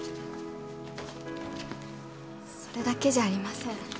それだけじゃありません。